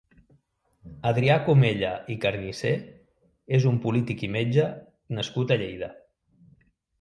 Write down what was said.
Adrià Comella i Carnicé és un polític i metge nascut a Lleida.